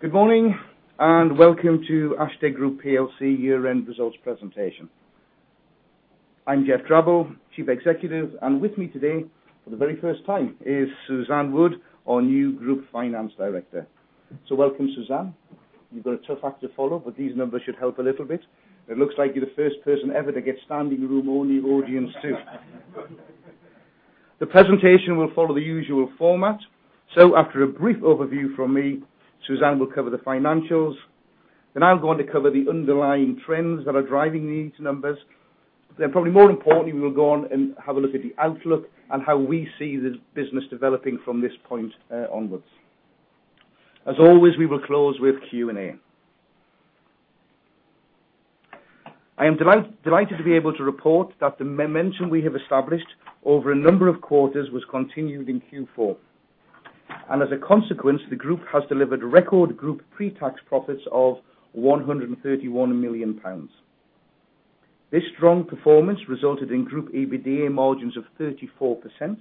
Good morning, and welcome to Ashtead Group plc year-end results presentation. I'm Geoff Drabble, chief executive, and with me today for the very first time is Suzanne Wood, our new group finance director. Welcome, Suzanne. You've got a tough act to follow, but these numbers should help a little bit. It looks like you're the first person ever to get standing room only audience, too. The presentation will follow the usual format. After a brief overview from me, Suzanne will cover the financials. I'm going to cover the underlying trends that are driving these numbers. Probably more importantly, we will go on and have a look at the outlook and how we see this business developing from this point onwards. As always, we will close with Q&A. I am delighted to be able to report that the momentum we have established over a number of quarters was continued in Q4, and as a consequence, the group has delivered record group pre-tax profits of 131 million pounds. This strong performance resulted in group EBITDA margins of 34%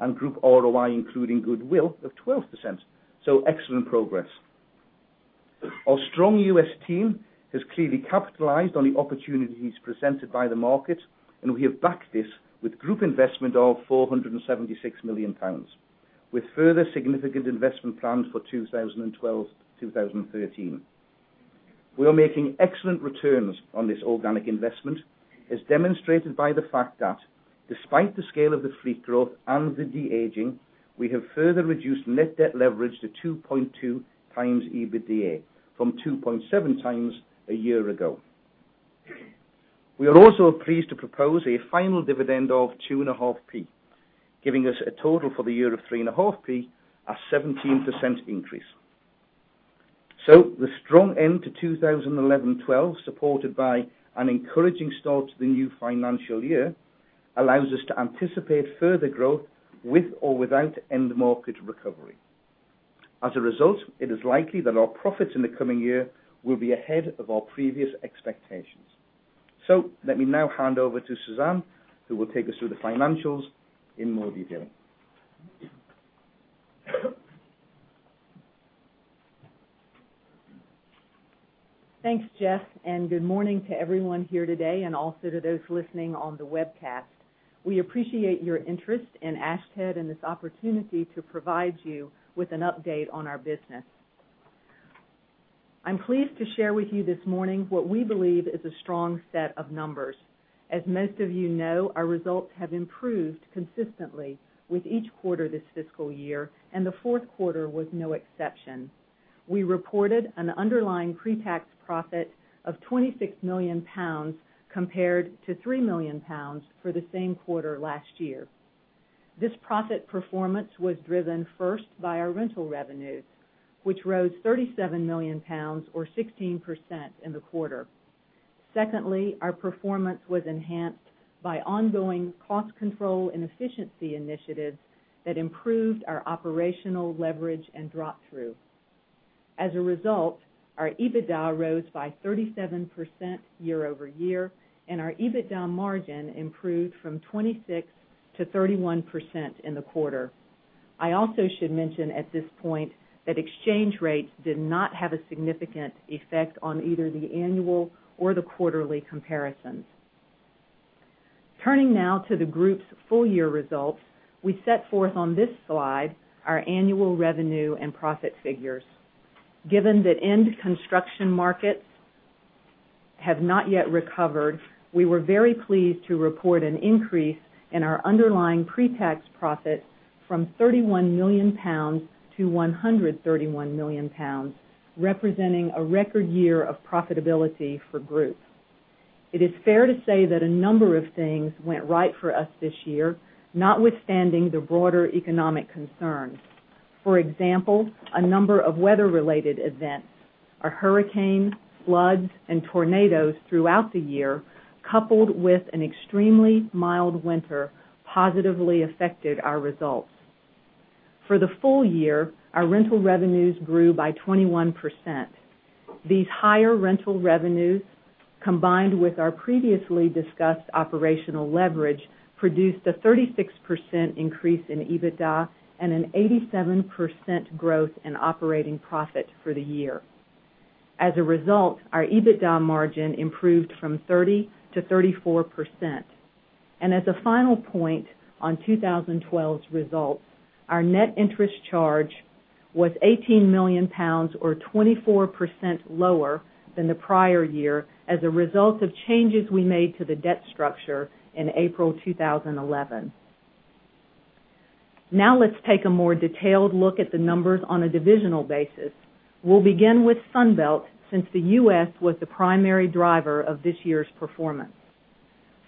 and group ROI, including goodwill, of 12%. Excellent progress. Our strong U.S. team has clearly capitalized on the opportunities presented by the market, and we have backed this with group investment of 476 million pounds, with further significant investment plans for 2012, 2013. We are making excellent returns on this organic investment, as demonstrated by the fact that despite the scale of the fleet growth and the de-aging, we have further reduced net debt leverage to 2.2 times EBITDA from 2.7 times a year ago. We are also pleased to propose a final dividend of two and a half p, giving us a total for the year of three and a half p, a 17% increase. The strong end to 2011/12, supported by an encouraging start to the new financial year, allows us to anticipate further growth with or without end market recovery. As a result, it is likely that our profits in the coming year will be ahead of our previous expectations. Let me now hand over to Suzanne, who will take us through the financials in more detail. Thanks, Geoff, and good morning to everyone here today, and also to those listening on the webcast. We appreciate your interest in Ashtead and this opportunity to provide you with an update on our business. I'm pleased to share with you this morning what we believe is a strong set of numbers. As most of you know, our results have improved consistently with each quarter this fiscal year, and the fourth quarter was no exception. We reported an underlying pre-tax profit of 26 million pounds, compared to 3 million pounds for the same quarter last year. This profit performance was driven first by our rental revenues, which rose 37 million pounds or 16% in the quarter. Secondly, our performance was enhanced by ongoing cost control and efficiency initiatives that improved our operational leverage and drop-through. As a result, our EBITDA rose by 37% year-over-year, and our EBITDA margin improved from 26% to 31% in the quarter. I also should mention at this point that exchange rates did not have a significant effect on either the annual or the quarterly comparisons. Turning now to the Group's full year results, we set forth on this slide our annual revenue and profit figures. Given that end construction markets have not yet recovered, we were very pleased to report an increase in our underlying pre-tax profit from 31 million pounds to 131 million pounds, representing a record year of profitability for Group. It is fair to say that a number of things went right for us this year, notwithstanding the broader economic concerns. For example, a number of weather-related events, our hurricane, floods, and tornadoes throughout the year, coupled with an extremely mild winter, positively affected our results. For the full year, our rental revenues grew by 21%. These higher rental revenues, combined with our previously discussed operational leverage, produced a 36% increase in EBITDA and an 87% growth in operating profit for the year. As a result, our EBITDA margin improved from 30% to 34%. And as a final point on 2012's results, our net interest charge was 18 million pounds or 24% lower than the prior year as a result of changes we made to the debt structure in April 2011. Now let's take a more detailed look at the numbers on a divisional basis. We'll begin with Sunbelt, since the U.S. was the primary driver of this year's performance.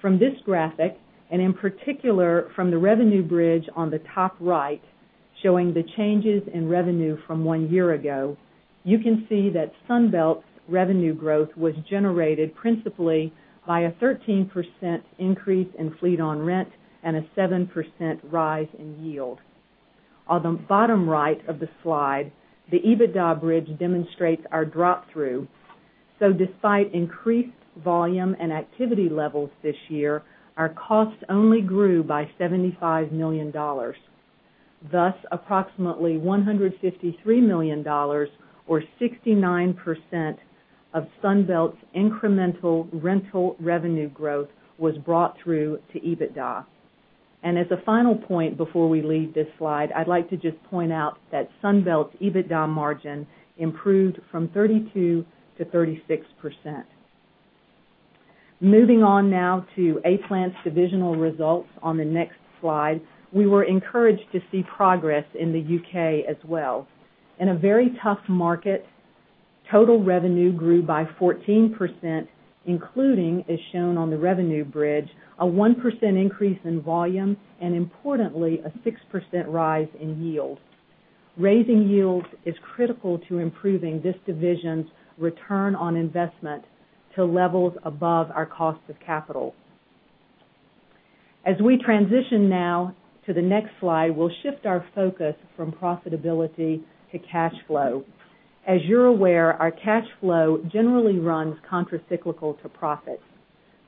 From this graphic, and in particular from the revenue bridge on the top right, showing the changes in revenue from one year ago, you can see that Sunbelt's revenue growth was generated principally by a 13% increase in fleet on rent and a 7% rise in yield. On the bottom right of the slide, the EBITDA bridge demonstrates our drop-through. So despite increased volume and activity levels this year, our costs only grew by $75 million. Thus, approximately $153 million, or 69%, of Sunbelt's incremental rental revenue growth was brought through to EBITDA. And as a final point before we leave this slide, I'd like to just point out that Sunbelt's EBITDA margin improved from 32% to 36%. Moving on now to A-Plant's divisional results on the next slide. We were encouraged to see progress in the U.K. as well. In a very tough market, total revenue grew by 14%, including, as shown on the revenue bridge, a 1% increase in volume and importantly, a 6% rise in yield. Raising yields is critical to improving this division's return on investment to levels above our cost of capital. As we transition now to the next slide, we'll shift our focus from profitability to cash flow. As you're aware, our cash flow generally runs contra-cyclical to profit.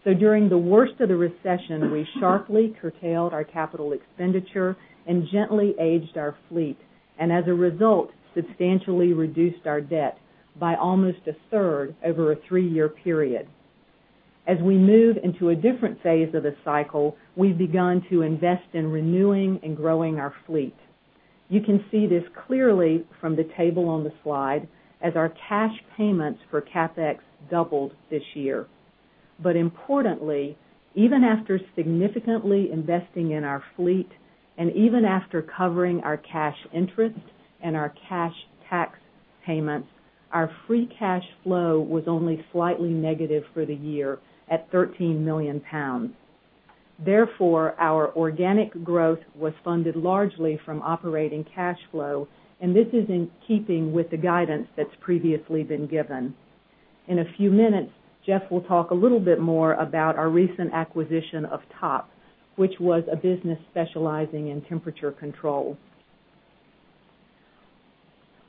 So during the worst of the recession, we sharply curtailed our capital expenditure and gently aged our fleet, and as a result, substantially reduced our debt by almost a third over a three-year period. As we move into a different phase of the cycle, we've begun to invest in renewing and growing our fleet. You can see this clearly from the table on the slide as our cash payments for CapEx doubled this year. Importantly, even after significantly investing in our fleet, and even after covering our cash interest and our cash tax payments, our free cash flow was only slightly negative for the year at £13 million. Therefore, our organic growth was funded largely from operating cash flow, and this is in keeping with the guidance that's previously been given. In a few minutes, Geoff will talk a little bit more about our recent acquisition of Topp, which was a business specializing in climate control.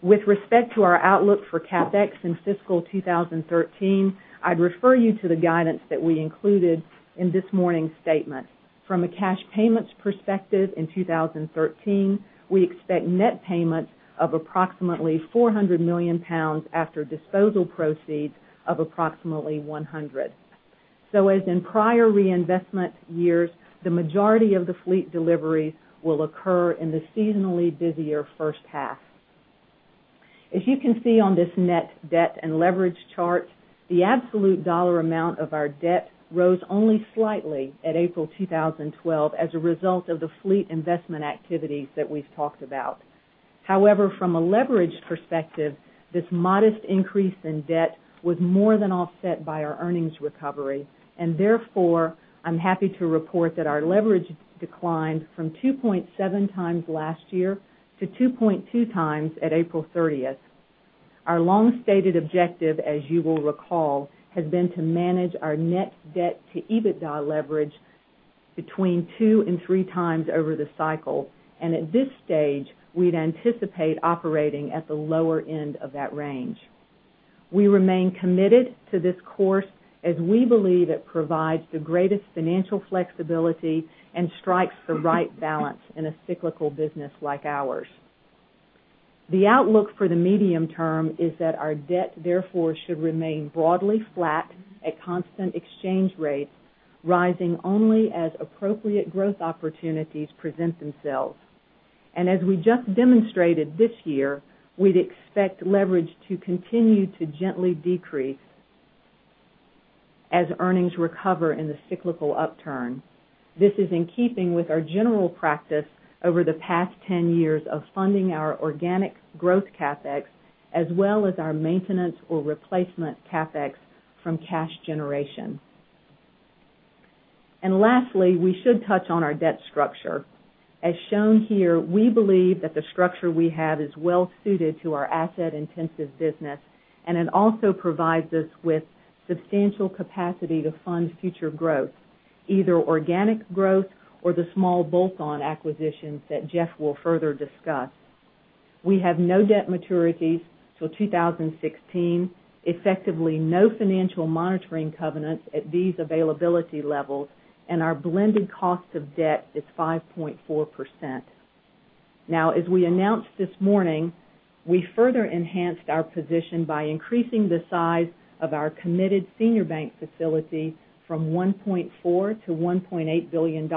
With respect to our outlook for CapEx in fiscal 2013, I'd refer you to the guidance that we included in this morning's statement. From a cash payments perspective in 2013, we expect net payments of approximately £400 million after disposal proceeds of approximately 100 million. As in prior reinvestment years, the majority of the fleet deliveries will occur in the seasonally busier first half. As you can see on this net debt and leverage chart, the absolute dollar amount of our debt rose only slightly at April 2012 as a result of the fleet investment activities that we've talked about. From a leverage perspective, this modest increase in debt was more than offset by our earnings recovery, and therefore, I'm happy to report that our leverage declined from 2.7 times last year to 2.2 times at April 30th. Our long-stated objective, as you will recall, has been to manage our net debt to EBITDA leverage between two and three times over the cycle. At this stage, we'd anticipate operating at the lower end of that range. We remain committed to this course as we believe it provides the greatest financial flexibility and strikes the right balance in a cyclical business like ours. The outlook for the medium term is that our debt, therefore, should remain broadly flat at constant exchange rates, rising only as appropriate growth opportunities present themselves. As we just demonstrated this year, we'd expect leverage to continue to gently decrease as earnings recover in the cyclical upturn. This is in keeping with our general practice over the past 10 years of funding our organic growth CapEx, as well as our maintenance or replacement CapEx from cash generation. Lastly, we should touch on our debt structure. As shown here, we believe that the structure we have is well suited to our asset-intensive business, and it also provides us with substantial capacity to fund future growth, either organic growth or the small bolt-ons that Geoff will further discuss. We have no debt maturities till 2016, effectively no financial monitoring covenants at these availability levels, and our blended cost of debt is 5.4%. As we announced this morning, we further enhanced our position by increasing the size of our committed senior bank facility from 1.4 billion to GBP 1.8 billion,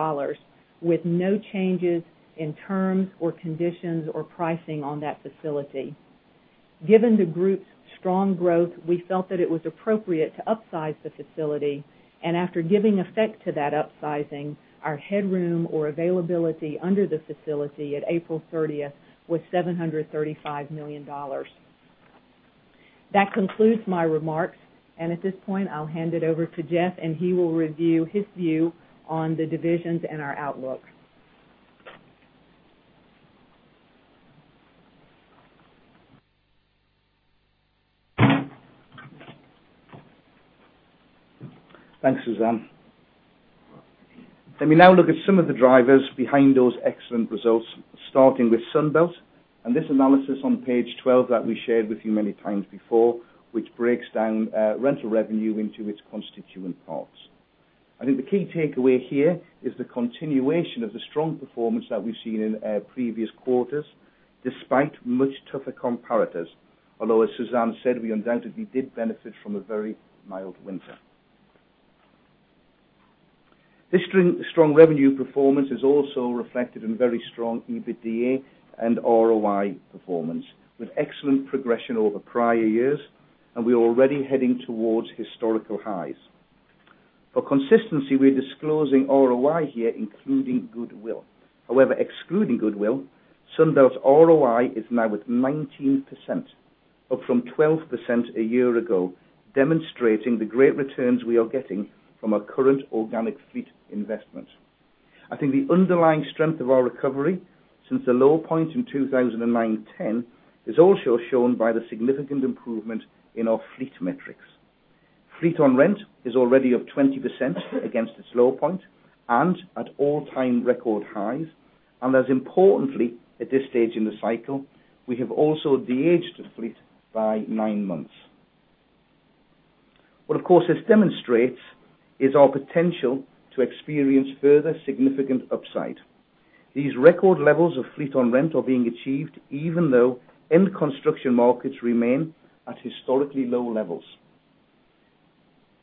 with no changes in terms or conditions or pricing on that facility. Given the group's strong growth, we felt that it was appropriate to upsize the facility, and after giving effect to that upsizing, our headroom or availability under the facility at April 30th was $735 million. That concludes my remarks, and at this point, I'll hand it over to Geoff, and he will review his view on the divisions and our outlook. Thanks, Suzanne. Let me now look at some of the drivers behind those excellent results, starting with Sunbelt Rentals, and this analysis on page 12 that we shared with you many times before, which breaks down rental revenue into its constituent parts. I think the key takeaway here is the continuation of the strong performance that we've seen in previous quarters, despite much tougher comparators, although as Suzanne said, we undoubtedly did benefit from a very mild winter. This strong revenue performance is also reflected in very strong EBITDA and ROI performance, with excellent progression over prior years. We are already heading towards historical highs. For consistency, we are disclosing ROI here, including goodwill. However, excluding goodwill, Sunbelt Rentals' ROI is now at 19%, up from 12% a year ago, demonstrating the great returns we are getting from our current organic fleet investment. I think the underlying strength of our recovery since the low point in 2009/10 is also shown by the significant improvement in our fleet metrics. Fleet on rent is already up 20% against its low point and at all-time record highs. As importantly, at this stage in the cycle, we have also de-aged the fleet by nine months. What of course this demonstrates is our potential to experience further significant upside. These record levels of fleet on rent are being achieved even though end construction markets remain at historically low levels.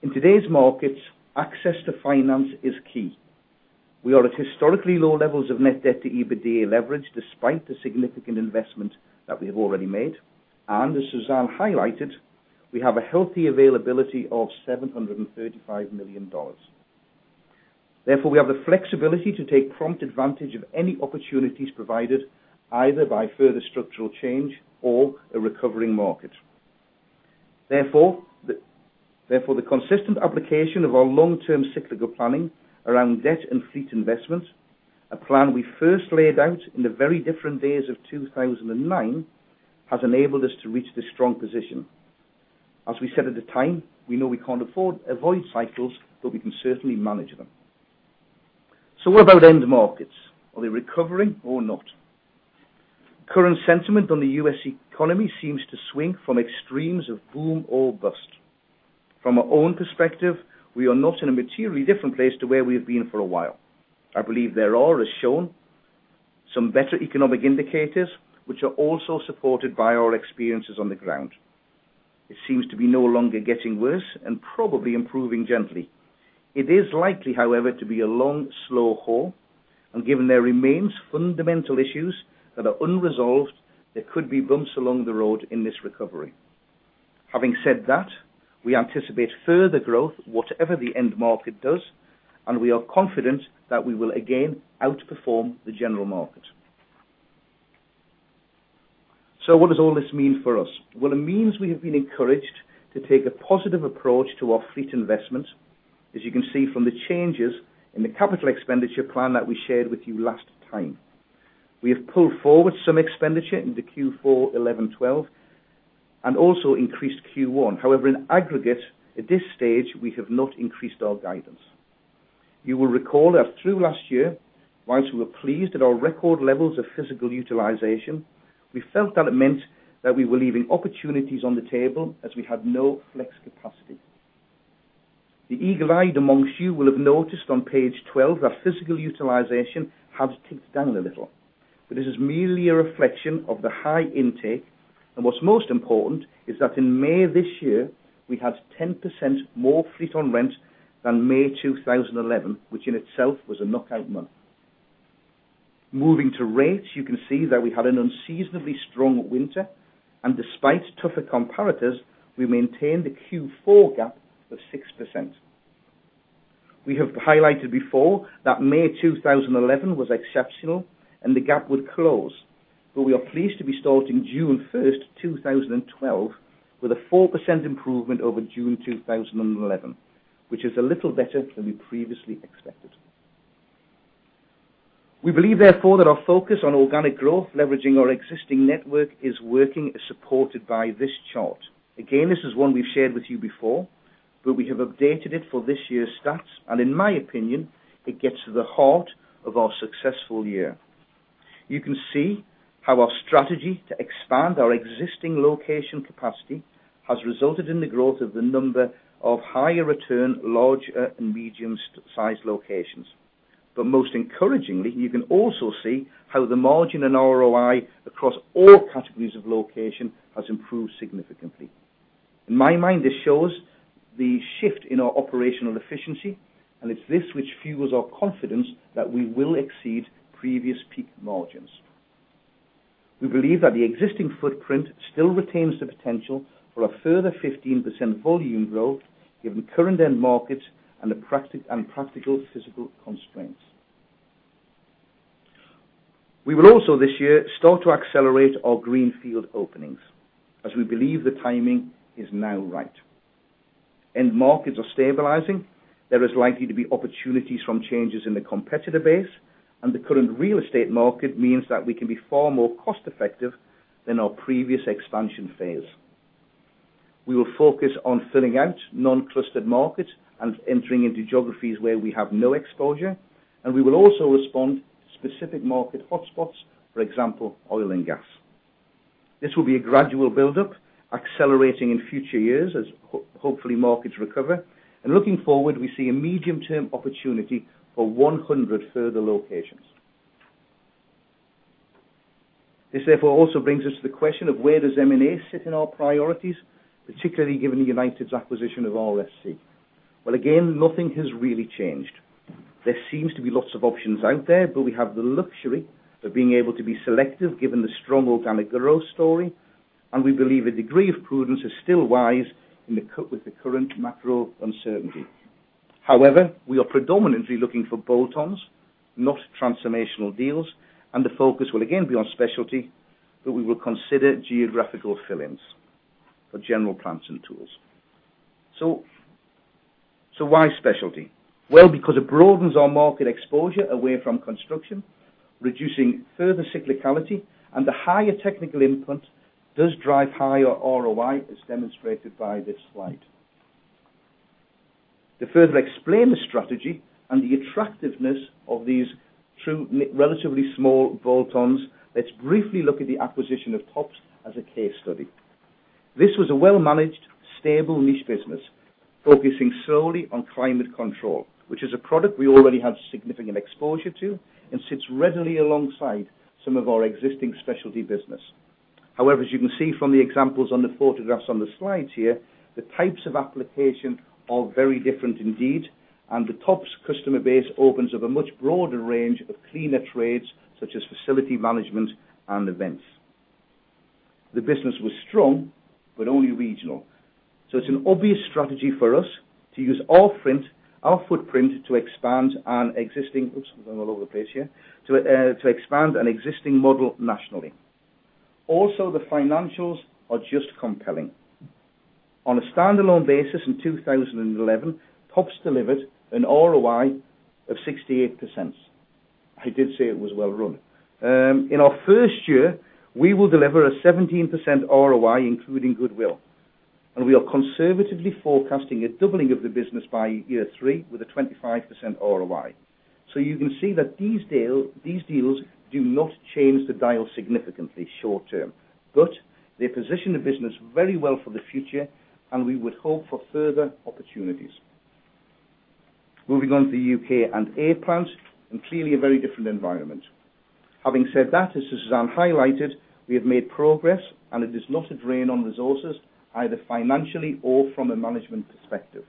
In today's markets, access to finance is key. We are at historically low levels of net debt to EBITDA leverage, despite the significant investment that we have already made. As Suzanne highlighted, we have a healthy availability of $735 million. Therefore, we have the flexibility to take prompt advantage of any opportunities provided, either by further structural change or a recovering market. Therefore, the consistent application of our long-term cyclical planning around debt and fleet investment, a plan we first laid out in the very different days of 2009, has enabled us to reach this strong position. As we said at the time, we know we cannot avoid cycles, but we can certainly manage them. What about end markets? Are they recovering or not? Current sentiment on the U.S. economy seems to swing from extremes of boom or bust. From our own perspective, we are not in a materially different place to where we have been for a while. I believe there are, as shown, some better economic indicators, which are also supported by our experiences on the ground. It seems to be no longer getting worse and probably improving gently. It is likely, however, to be a long, slow haul, and given there remains fundamental issues that are unresolved, there could be bumps along the road in this recovery. Having said that, we anticipate further growth whatever the end market does, and we are confident that we will again outperform the general market. What does all this mean for us? Well, it means we have been encouraged to take a positive approach to our fleet investment. As you can see from the changes in the capital expenditure plan that we shared with you last time. We have pulled forward some expenditure into Q4 2011-2012, and also increased Q1. However, in aggregate, at this stage, we have not increased our guidance. You will recall that through last year, whilst we were pleased at our record levels of physical utilization, we felt that it meant that we were leaving opportunities on the table as we had no flex capacity. The eagle-eyed amongst you will have noticed on page 12 that physical utilization has ticked down a little. This is merely a reflection of the high intake, and what's most important is that in May this year, we had 10% more fleet on rent than May 2011, which in itself was a knockout month. Moving to rates, you can see that we had an unseasonably strong winter, and despite tougher comparators, we maintained a Q4 gap of 6%. We have highlighted before that May 2011 was exceptional and the gap would close, we are pleased to be starting June 1st, 2012, with a 4% improvement over June 2011, which is a little better than we previously expected. We believe, therefore, that our focus on organic growth leveraging our existing network is working as supported by this chart. This is one we've shared with you before, we have updated it for this year's stats, in my opinion, it gets to the heart of our successful year. You can see how our strategy to expand our existing location capacity has resulted in the growth of the number of higher return large and medium-sized locations. Most encouragingly, you can also see how the margin in ROI across all categories of location has improved significantly. In my mind, this shows the shift in our operational efficiency, it's this which fuels our confidence that we will exceed previous peak margins. We believe that the existing footprint still retains the potential for a further 15% volume growth given current end markets and practical physical constraints. We will also this year start to accelerate our greenfield openings as we believe the timing is now right. End markets are stabilizing. There is likely to be opportunities from changes in the competitor base, the current real estate market means that we can be far more cost-effective than our previous expansion phase. We will focus on filling out non-clustered markets and entering into geographies where we have no exposure, we will also respond to specific market hotspots, for example, oil and gas. This will be a gradual buildup, accelerating in future years as hopefully markets recover. Looking forward, we see a medium-term opportunity for 100 further locations. This therefore also brings us to the question of where does M&A sit in our priorities, particularly given United's acquisition of RSC. Again, nothing has really changed. There seems to be lots of options out there, we have the luxury of being able to be selective given the strong organic growth story, we believe a degree of prudence is still wise with the current macro uncertainty. We are predominantly looking for bolt-ons, not transformational deals, the focus will again be on Specialty, we will consider geographical fill-ins for general plant and tool. Why Specialty? Because it broadens our market exposure away from construction, reducing further cyclicality, the higher technical input does drive higher ROI, as demonstrated by this slide. To further explain the strategy and the attractiveness of these true relatively small bolt-ons, let's briefly look at the acquisition of Topp as a case study. This was a well-managed, stable niche business focusing solely on climate control, which is a product we already have significant exposure to and sits readily alongside some of our existing Specialty business. However, as you can see from the examples on the photographs on the slides here, the types of application are very different indeed, and the Topp customer base opens up a much broader range of cleaner trades, such as facility management and events. The business was strong but only regional. It's an obvious strategy for us to use our footprint to expand an existing Oops. I'm all over the place here. To expand an existing model nationally. Also, the financials are just compelling. On a standalone basis in 2011, Topp delivered an ROI of 68%. I did say it was well-run. In our first year, we will deliver a 17% ROI, including goodwill, and we are conservatively forecasting a doubling of the business by year 3 with a 25% ROI. You can see that these deals do not change the dial significantly short term, but they position the business very well for the future, and we would hope for further opportunities. Moving on to the U.K. and A-Plant, and clearly a very different environment. Having said that, as Suzanne highlighted, we have made progress, and it is not a drain on resources either financially or from a management perspective.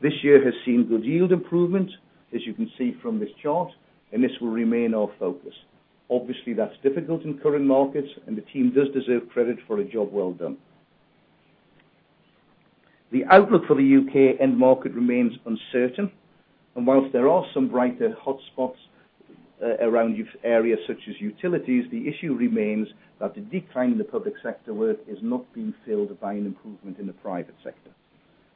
This year has seen good yield improvement, as you can see from this chart, and this will remain our focus. Obviously, that's difficult in current markets, and the team does deserve credit for a job well done. The outlook for the U.K. end market remains uncertain, and whilst there are some brighter hotspots around areas such as utilities, the issue remains that the decline in the public sector work is not being filled by an improvement in the private sector.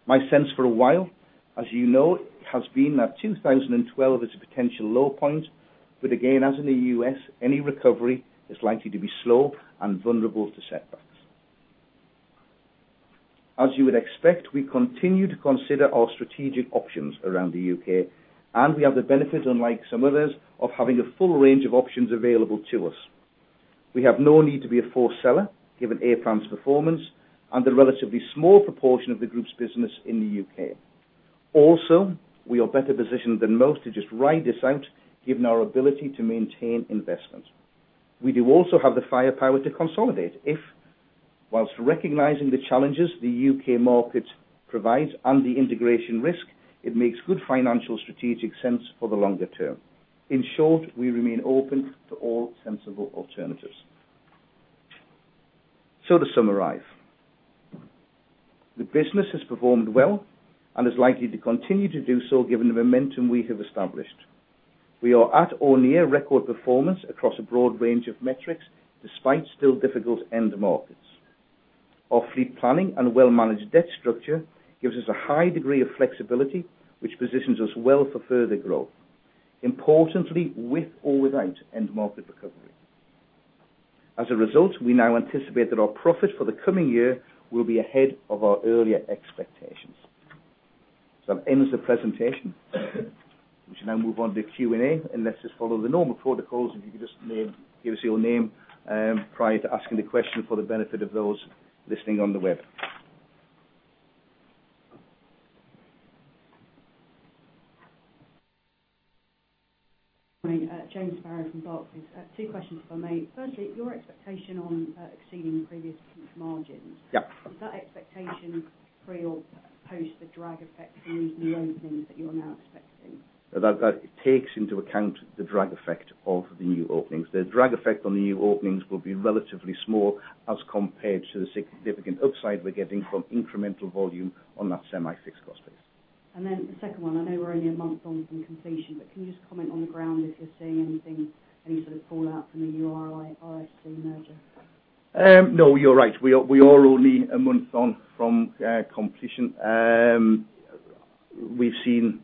My sense for a while, as you know, has been that 2012 is a potential low point, but again, as in the U.S., any recovery is likely to be slow and vulnerable to setbacks. As you would expect, we continue to consider our strategic options around the U.K., and we have the benefit, unlike some others, of having a full range of options available to us. We have no need to be a forced seller given A-Plant's performance and the relatively small proportion of the group's business in the U.K. Also, we are better positioned than most to just ride this out given our ability to maintain investment. We do also have the firepower to consolidate if, whilst recognizing the challenges the U.K. market provides and the integration risk, it makes good financial strategic sense for the longer term. In short, we remain open to all sensible alternatives. To summarize, the business has performed well and is likely to continue to do so given the momentum we have established. We are at or near record performance across a broad range of metrics, despite still difficult end markets. Our fleet planning and well-managed debt structure gives us a high degree of flexibility, which positions us well for further growth, importantly, with or without end market recovery. As a result, we now anticipate that our profit for the coming year will be ahead of our earlier expectations. That ends the presentation. We should now move on to Q&A, let's just follow the normal protocols. If you could just give us your name prior to asking the question for the benefit of those listening on the web. James Brand from Barclays. Two questions if I may. Firstly, your expectation on exceeding previous margins- Yeah. Is that expectation pre or post the drag effect from these new openings that you're now expecting? That takes into account the drag effect of the new openings. The drag effect on the new openings will be relatively small as compared to the significant upside we're getting from incremental volume on that semi-fixed cost base. The second one, I know we're only a month on from completion, but can you just comment on the ground if you're seeing anything, any sort of fallout from the URI, RSC merger? No, you're right. We are only a month on from completion. We've seen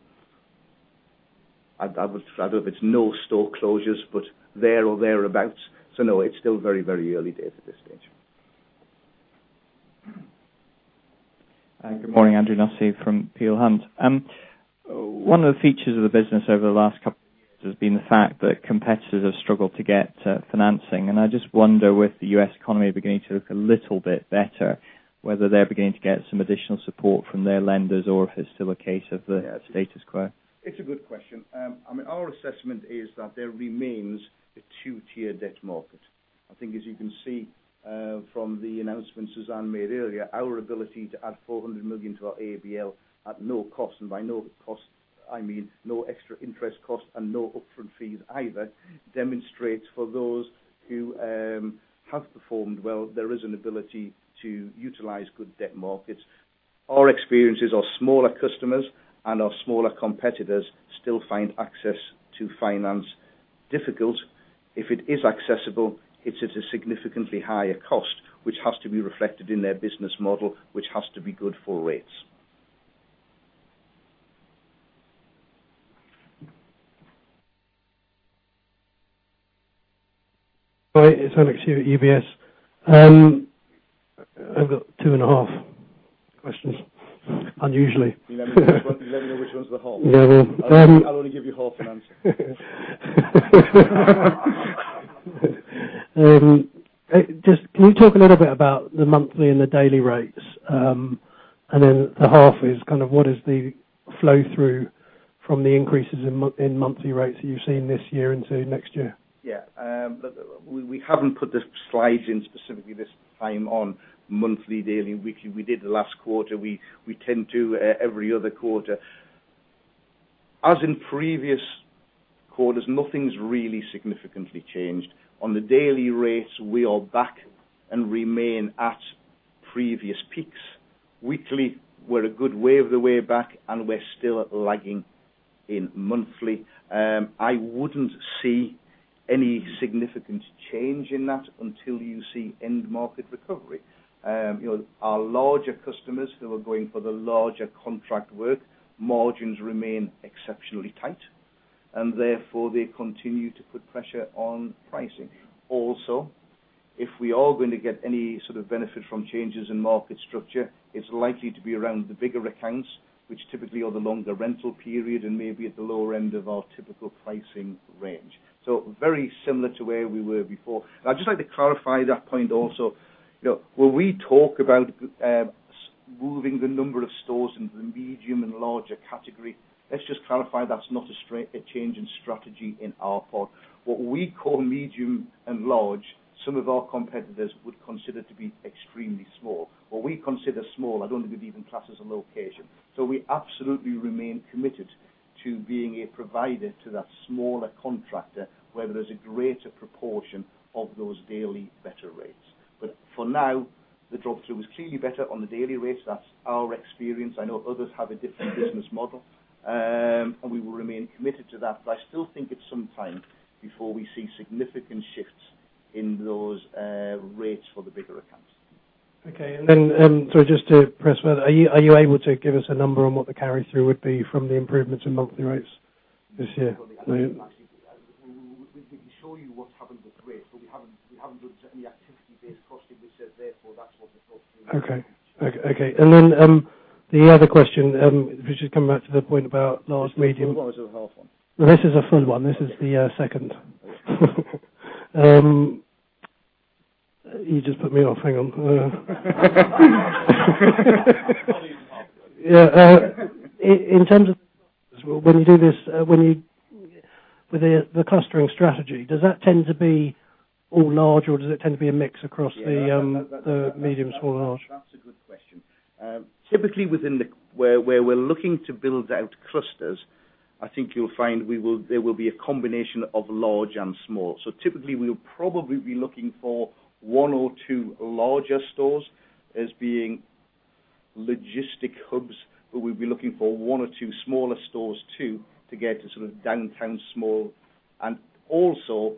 I would rather if it's no store closures, but there or thereabouts. No, it's still very early days at this stage. Good morning, Andrew Nussey from Peel Hunt. One of the features of the business over the last couple of years has been the fact that competitors have struggled to get financing. I just wonder, with the U.S. economy beginning to look a little bit better, whether they're beginning to get some additional support from their lenders or if it's still a case of the status quo. It's a good question. Our assessment is that there remains a two-tier debt market. I think as you can see from the announcements Suzanne made earlier, our ability to add 400 million to our ABL at no cost, by no cost, I mean no extra interest cost and no upfront fees either, demonstrates for those who have performed well, there is an ability to utilize good debt markets. Our experience is our smaller customers and our smaller competitors still find access to finance difficult. If it is accessible, it's at a significantly higher cost, which has to be reflected in their business model, which has to be good for rates. Right. It's Alex here at UBS. I've got two and a half questions, unusually. Let me know which one's the half. Yeah. I'll only give you half an answer. Can you talk a little bit about the monthly and the daily rates? The half is kind of what is the flow-through from the increases in monthly rates that you've seen this year into next year? Yeah. We haven't put the slides in specifically this time on monthly, daily, and weekly. We did the last quarter. We tend to every other quarter. As in previous quarters, nothing's really significantly changed. On the daily rates, we are back and remain at previous peaks. Weekly, we're a good way of the way back, and we're still lagging in monthly. I wouldn't see any significant change in that until you see end market recovery. Our larger customers who are going for the larger contract work, margins remain exceptionally tight. Therefore, they continue to put pressure on pricing. If we are going to get any sort of benefit from changes in market structure, it's likely to be around the bigger accounts, which typically are the longer rental period and maybe at the lower end of our typical pricing range. Very similar to where we were before. I'd just like to clarify that point also. When we talk about moving the number of stores into the medium and larger category, let's just clarify that's not a change in strategy in our part. What we call medium and large, some of our competitors would consider to be extremely small. What we consider small, I don't think we'd even class as a location. We absolutely remain committed to being a provider to that smaller contractor where there's a greater proportion of those daily better rates. For now, the drop-through is clearly better on the daily rates. That's our experience. I know others have a different business model. We will remain committed to that, but I still think it's some time before we see significant shifts in those rates for the bigger accounts. Okay. Just to press further, are you able to give us a number on what the carry-through would be from the improvements in monthly rates this year? Actually, we can show you what's happened with rates, but we haven't done any activity-based costing that says therefore that's what the flow-through is. Okay. The other question, just coming back to the point about large, medium- Is this the full one or is it the half one? This is a full one. This is the second. You just put me off. Hang on. I'll give you the half then. Yeah. In terms of when you do this with the clustering strategy, does that tend to be all large, or does it tend to be a mix across the medium, small, large? That is a good question. Typically, where we are looking to build out clusters, I think you will find there will be a combination of large and small. Typically, we will probably be looking for one or two larger stores as being logistic hubs, but we will be looking for one or two smaller stores, too, to get to sort of downtown small. Also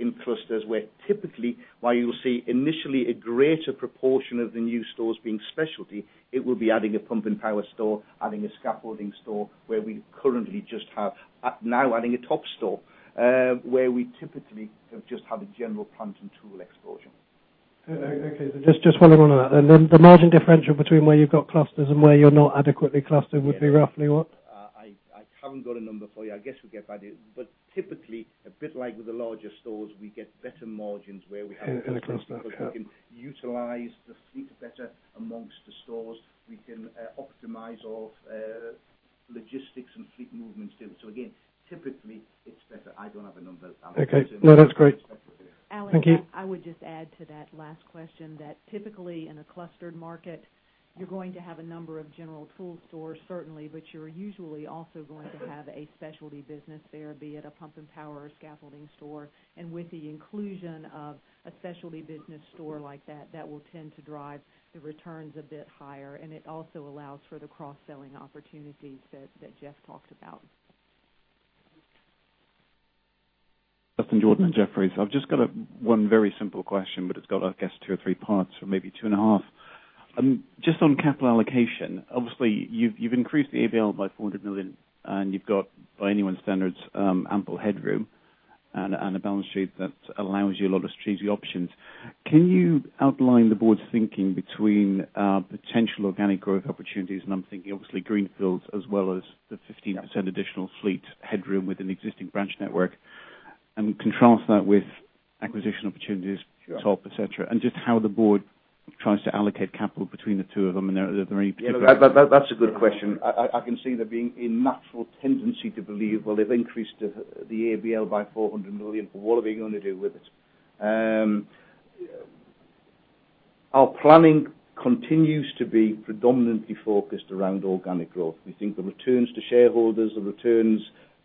in clusters where typically, while you will see initially a greater proportion of the new stores being Specialty, it will be adding a Pump & Power store, adding a scaffolding store where we currently just have, now adding a Topp store, where we typically have just had a general plant and tool explosion. Okay. Just one other one on that. Then the margin differential between where you have got clusters and where you are not adequately clustered would be roughly what? I have not got a number for you. I guess typically, a bit like with the larger stores, we get better margins where we have. In a cluster where we can utilize the fleet better amongst the stores. We can optimize our logistics and fleet movements, too. Again, typically it's better. I don't have a number, Alex. Okay. No, that's great. Thank you. Alex, I would just add to that last question that typically in a clustered market, you're going to have a number of general tool stores certainly, but you're usually also going to have a Specialty business there, be it a Pump & Power or scaffolding store. With the inclusion of a Specialty business store like that will tend to drive the returns a bit higher, and it also allows for the cross-selling opportunities that Geoff talked about. Justin Jordan at Jefferies. I've just got one very simple question, but it's got, I guess, two or three parts, or maybe two and a half. Just on capital allocation. Obviously, you've increased the ABL by $400 million, and you've got, by anyone's standards, ample headroom and a balance sheet that allows you a lot of strategic options. Can you outline the board's thinking between potential organic growth opportunities. I'm thinking obviously greenfields as well as the 15% additional fleet headroom within the existing branch network, and contrast that with acquisition opportunities- Sure et cetera, just how the board tries to allocate capital between the two of them and their particular- That's a good question. I can see there being a natural tendency to believe, well, they've increased the ABL by $400 million. What are they going to do with it? Our planning continues to be predominantly focused around organic growth. We think the returns to shareholders and returns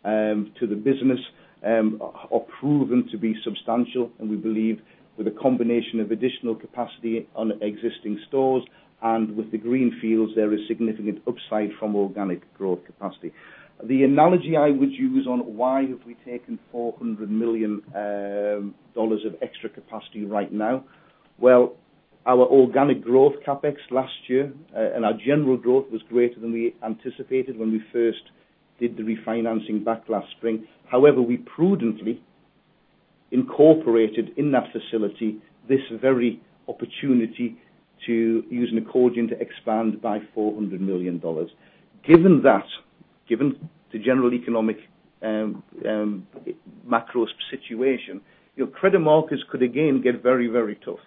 to the business are proven to be substantial. We believe with a combination of additional capacity on existing stores and with the greenfields, there is significant upside from organic growth capacity. The analogy I would use on why have we taken $400 million of extra capacity right now. Well, our organic growth CapEx last year. Our general growth was greater than we anticipated when we first did the refinancing back last spring. However, we prudently incorporated in that facility this very opportunity to use an accordion to expand by $400 million. Given that, given the general economic macro situation, credit markets could again get very, very tough.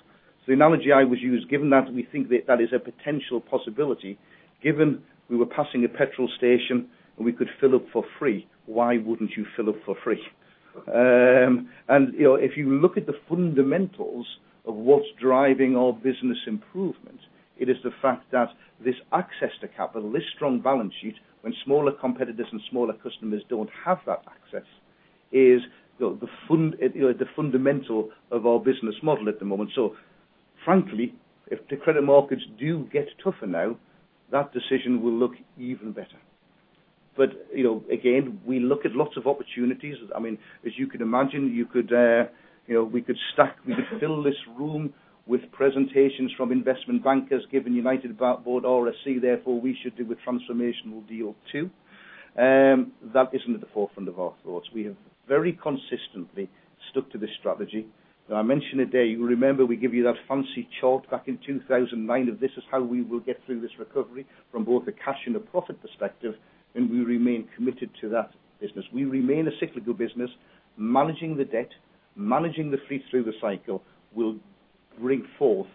The analogy I would use, given that we think that that is a potential possibility, given we were passing a petrol station and we could fill up for free, why wouldn't you fill up for free? Sure. If you look at the fundamentals of what's driving our business improvement, it is the fact that this access to capital, this strong balance sheet, when smaller competitors and smaller customers don't have that access, is the fundamental of our business model at the moment. Frankly, if the credit markets do get tougher now, that decision will look even better. Again, we look at lots of opportunities. As you can imagine, we could fill this room with presentations from investment bankers giving United Rentals about RSC, therefore, we should do a transformational deal, too. That isn't at the forefront of our thoughts. We have very consistently stuck to this strategy. I mentioned today, you remember we gave you that fancy chart back in 2009 of this is how we will get through this recovery from both a cash and a profit perspective. We remain committed to that business. We remain a cyclical business. Managing the debt, managing the fleet through the cycle will bring forth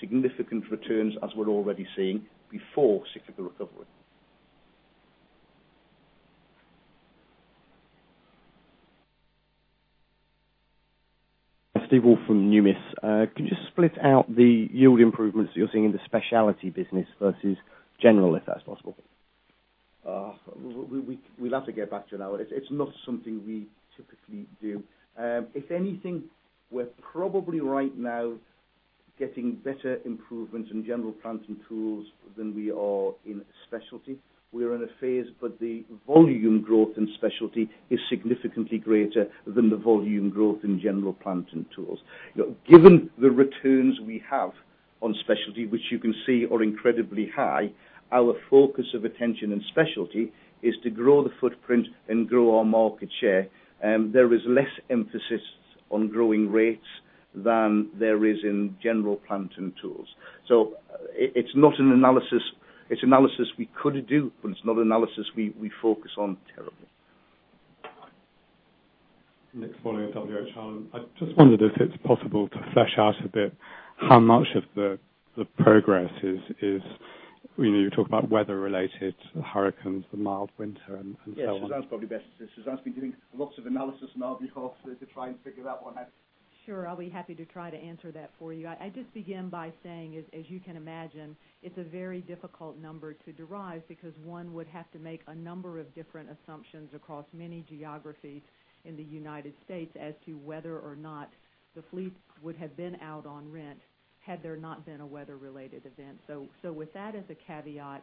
significant returns, as we're already seeing before cyclical recovery. Steve Woolf from Numis. Can you just split out the yield improvements that you're seeing in the Specialty business versus general, if that's possible? We'll have to get back to you on that one. It's not something we typically do. If anything, we're probably right now getting better improvements in general plant and tool than we are in Specialty. We are in a phase. The volume growth in Specialty is significantly greater than the volume growth in general plant and tool. Given the returns we have on Specialty, which you can see are incredibly high, our focus of attention in Specialty is to grow the footprint and grow our market share. There is less emphasis on growing rates than there is in general plant and tool. It's not an analysis. It's analysis we could do, but it's not analysis we focus on terribly. Nick Spoliar at WH Ireland. I just wondered if it's possible to flesh out a bit how much of the progress is, you talk about weather related, hurricanes, the mild winter, and so on. Yeah, Suzanne's probably best at this. Suzanne's been doing lots of analysis on our behalf to try and figure out what happened. Sure. I'll be happy to try to answer that for you. I just begin by saying, as you can imagine, it's a very difficult number to derive because one would have to make a number of different assumptions across many geographies in the U.S. as to whether or not the fleet would have been out on rent had there not been a weather-related event. With that as a caveat,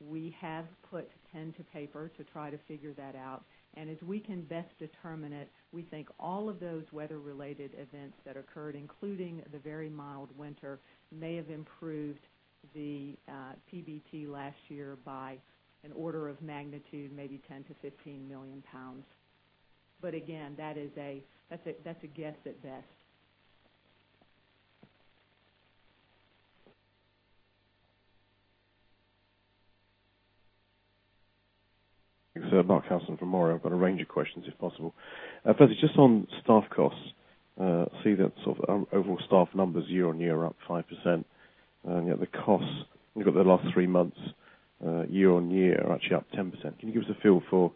we have put pen to paper to try to figure that out, and as we can best determine it, we think all of those weather-related events that occurred, including the very mild winter, may have improved the PBT last year by an order of magnitude, maybe 10 million-15 million pounds. Again, that's a guess at best. Marc Lawson from Mirabaud. I've got a range of questions, if possible. First, just on staff costs. I see that overall staff numbers year-over-year are up 5%, and yet the costs, we've got the last three months year-over-year, are actually up 10%. Can you give us a feel for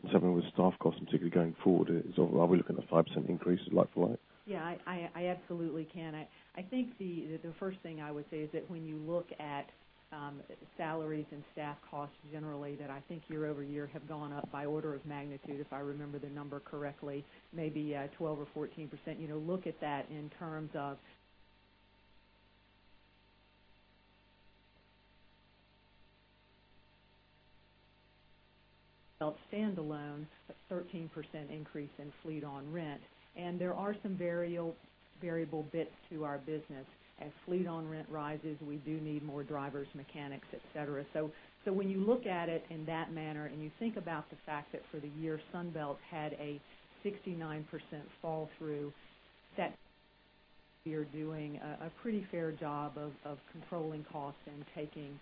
what's happening with staff costs, and particularly going forward? Are we looking at 5% increases like for like? Yeah, I absolutely can. I think the first thing I would say is that when you look at salaries and staff costs generally, that I think year-over-year have gone up by order of magnitude, if I remember the number correctly, maybe 12% or 14%. Look at that in terms of standalone, a 13% increase in fleet on rent. There are some variable bits to our business. As fleet on rent rises, we do need more drivers, mechanics, et cetera. When you look at it in that manner, and you think about the fact that for the year Sunbelt had a 69% drop-through, that we are doing a pretty fair job of controlling costs and taking,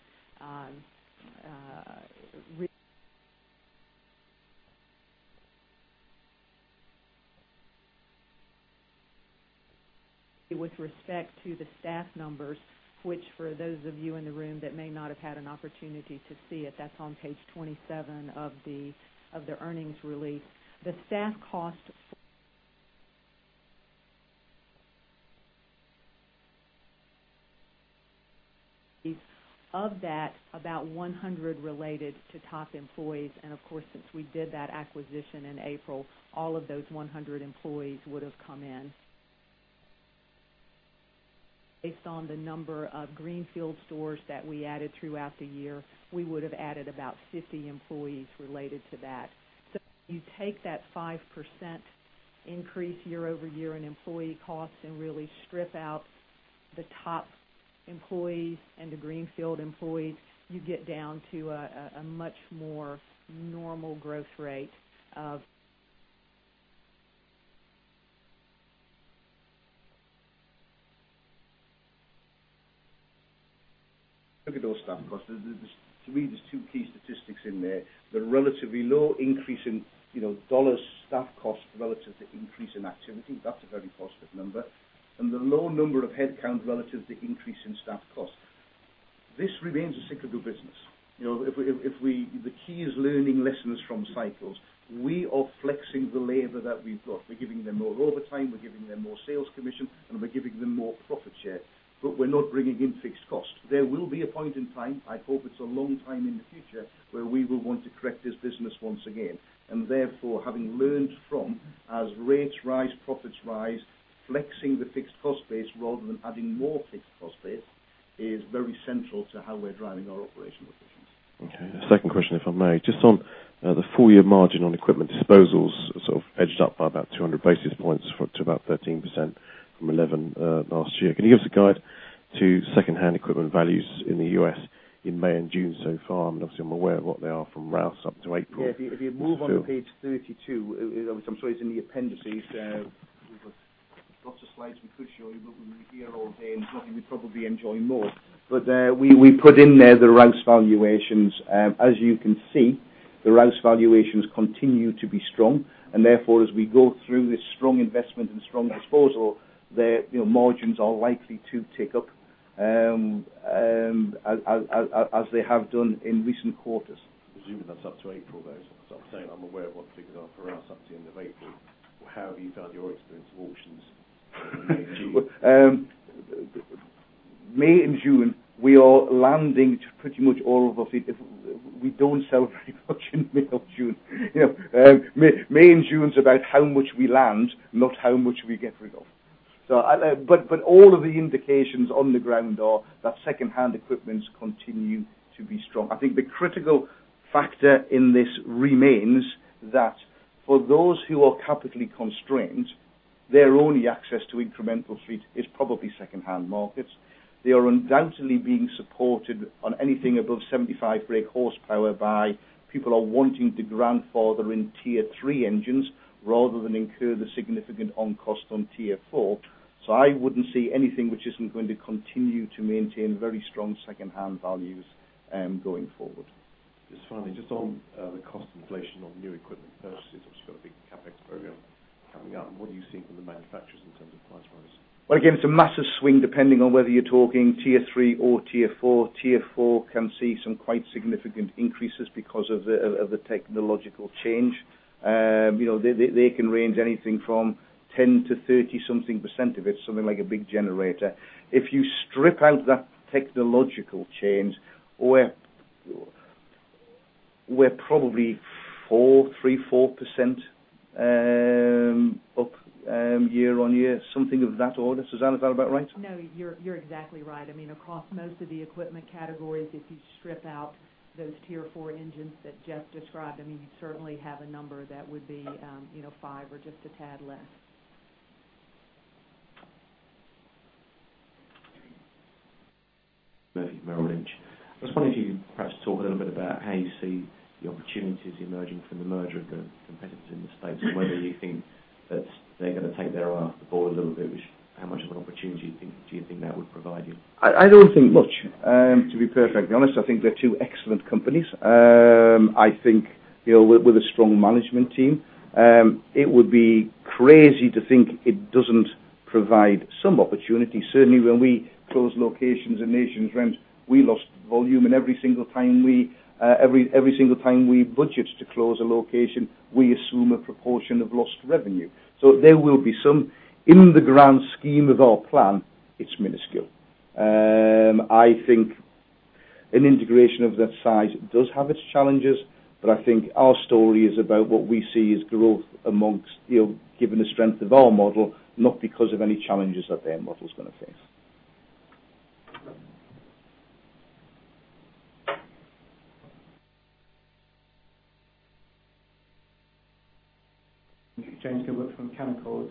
with respect to the staff numbers, which for those of you in the room that may not have had an opportunity to see it, that's on page 27 of their earnings release. The staff cost, of that, about 100 related to Topp employees. Of course, since we did that acquisition in April, all of those 100 employees would have come in. Based on the number of greenfield stores that we added throughout the year, we would have added about 50 employees related to that. You take that 5% increase year-over-year in employee costs and really strip out the Topp employees and the greenfield employees, you get down to a much more normal growth rate. Look at those staff costs. To me, there's two key statistics in there. The relatively low increase in dollars staff cost relative to increase in activity. That's a very positive number. The low number of headcount relative to increase in staff cost. This remains a cyclical business. The key is learning lessons from cycles. We are flexing the labor that we've got. We're giving them more overtime, we're giving them more sales commission, and we're giving them more profit share. We're not bringing in fixed costs. There will be a point in time, I hope it's a long time in the future, where we will want to correct this business once again. Therefore, having learned from as rates rise, profits rise, flexing the fixed cost base rather than adding more fixed cost base is very central to how we're driving our operational efficiency. Okay. Second question, if I may. Just on the full year margin on equipment disposals, sort of edged up by about 200 basis points to about 13% from 11% last year. Can you give us a guide to secondhand equipment values in the U.S. in May and June so far? Obviously I'm aware of what they are from Rouse up to April. Yeah. If you move on to page 32, obviously I'm sorry it's in the appendices. We've got lots of slides we could show you, we'd be here all day, it's not that you'd probably enjoy more. We put in there the Rouse valuations. As you can see, the Rouse valuations continue to be strong. Therefore, as we go through this strong investment and strong disposal, their margins are likely to tick up, as they have done in recent quarters. Presuming that's up to April, though. I was saying, I'm aware of what the figures are for Rouse up to the end of April. How have you found your experience of auctions in May and June? May and June, we are landing pretty much all of it. We don't sell very much in May or June. May and June's about how much we land, not how much we get rid of. All of the indications on the ground are that secondhand equipments continue to be strong. I think the critical factor in this remains that for those who are capitally constrained, their only access to incremental fleet is probably secondhand markets. They are undoubtedly being supported on anything above 75 brake horsepower by people are wanting to grandfather in Tier III engines rather than incur the significant on-cost on Tier IV. I wouldn't see anything which isn't going to continue to maintain very strong secondhand values going forward. Just finally, just on the cost inflation on new equipment purchases. Obviously got a big CapEx program coming up. What are you seeing from the manufacturers in terms of price rise? Well, again, it's a massive swing depending on whether you're talking Tier III or Tier IV. Tier IV can see some quite significant increases because of the technological change. They can range anything from 10 to 30 something percent if it's something like a big generator. If you strip out that technological change, we're probably 3%-4% up year-on-year, something of that order. Suzanne, is that about right? No, you're exactly right. Across most of the equipment categories, if you strip out those Tier IV engines that Geoff described, you certainly have a number that would be five or just a tad less. Murphy, Merrill Lynch. I was wondering if you could perhaps talk a little bit about how you see the opportunities emerging from the merger of the competitors in the U.S., and whether you think that they're going to take their eye off the ball a little bit, which how much of an opportunity do you think that would provide you? I don't think much, to be perfectly honest. I think they're two excellent companies. I think with a strong management team. It would be crazy to think it doesn't provide some opportunity. Certainly when we closed locations in NationsRent, we lost volume. Every single time we budget to close a location, we assume a proportion of lost revenue. There will be some. In the grand scheme of our plan, it's minuscule. I think an integration of that size does have its challenges. I think our story is about what we see as growth given the strength of our model, not because of any challenges that their model's going to face. James Gilbert from Canaccord.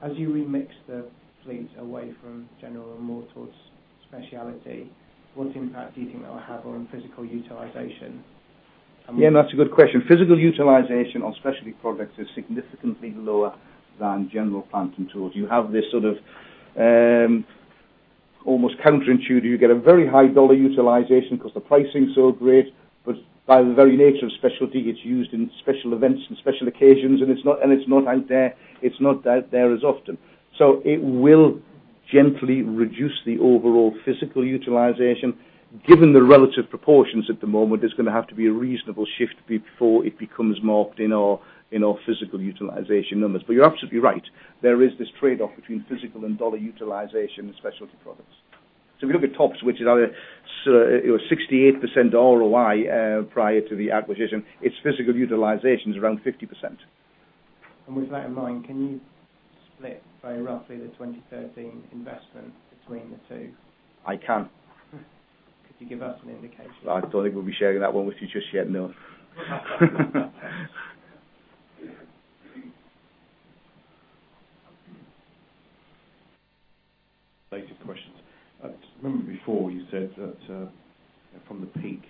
As you remix the fleet away from general and more towards Specialty, what impact do you think that will have on physical utilization? That's a good question. Physical utilization on Specialty products is significantly lower than general plant and tool. You have this sort of almost counterintuitive, you get a very high dollar utilization because the pricing is so great, but by the very nature of Specialty, it's used in special events and special occasions, and it's not out there as often. It will gently reduce the overall physical utilization. Given the relative proportions at the moment, there's going to have to be a reasonable shift before it becomes marked in our physical utilization numbers. You're absolutely right. There is this trade-off between physical and dollar utilization in Specialty products. If you look at Topp, which is our 68% ROI prior to the acquisition, its physical utilization is around 50%. With that in mind, can you split very roughly the 2013 investment between the two? I can. Could you give us an indication? I don't think we'll be sharing that one with you just yet, no. Related questions. Remember before you said that from the peak,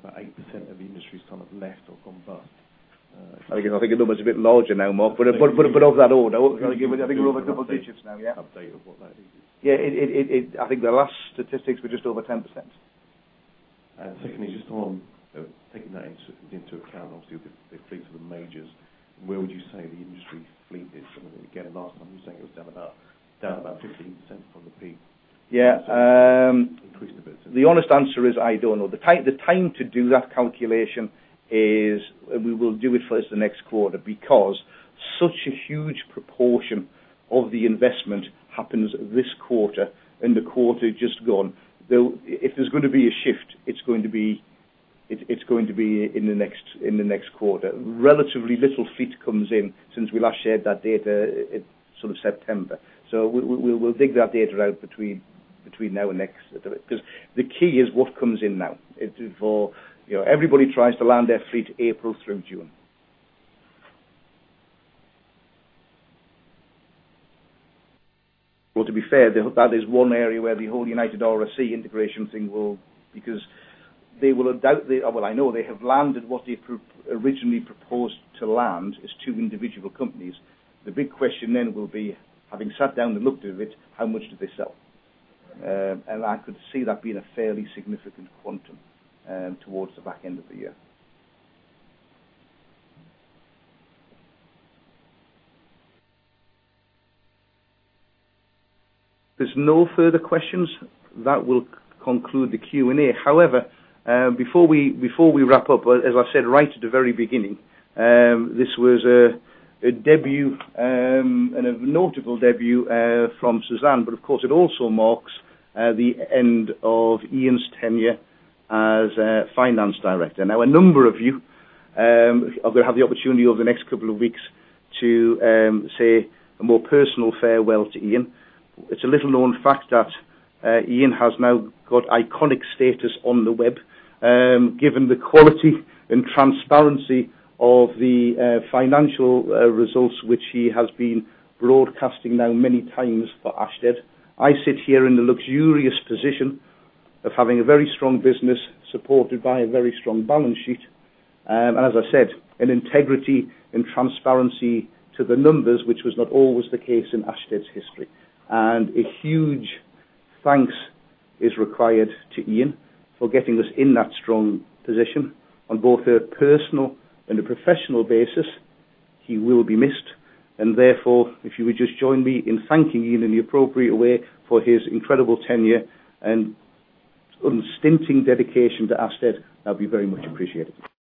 about 8% of the industry has kind of left or gone bust. I think the number is a bit larger now, Mark, but of that order. Can you give us a- I think we're over a couple digits now, yeah update of what that is? Yeah. I think the last statistics were just over 10%. Secondly, just on taking that into account, obviously, with the fleets of the majors, where would you say the industry fleet is at the moment? Again, last time you were saying it was down about 15% from the peak. Yeah. Increased a bit. The honest answer is I don't know. The time to do that calculation is. We will do it for us the next quarter because such a huge proportion of the investment happens this quarter and the quarter just gone. If there's going to be a shift, it's going to be in the next quarter. Relatively little fleet comes in since we last shared that data in September. We'll dig that data out between now and next. The key is what comes in now. Everybody tries to land their fleet April through June. To be fair, that is one area where the whole United RSC integration thing. I know they have landed what they originally proposed to land as two individual companies. The big question then will be, having sat down and looked at it, how much do they sell? I could see that being a fairly significant quantum towards the back end of the year. If there's no further questions, that will conclude the Q&A. However, before we wrap up, as I said right at the very beginning, this was a debut, a notable debut from Suzanne, but of course, it also marks the end of Ian's tenure as Finance Director. A number of you are going to have the opportunity over the next couple of weeks to say a more personal farewell to Ian. It's a little-known fact that Ian has now got iconic status on the web, given the quality and transparency of the financial results which he has been broadcasting now many times for Ashtead. I sit here in the luxurious position of having a very strong business supported by a very strong balance sheet, as I said, an integrity and transparency to the numbers, which was not always the case in Ashtead's history. A huge thanks is required to Ian for getting us in that strong position on both a personal and a professional basis. He will be missed, therefore, if you would just join me in thanking Ian in the appropriate way for his incredible tenure and unstinting dedication to Ashtead, that'd be very much appreciated.